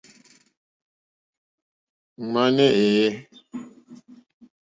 Ŋwáné èyé.